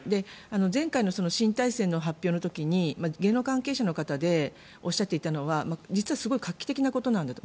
前回の新体制の発表の時に芸能関係者の方でおっしゃっていたのは実はすごい画期的なことなんだと。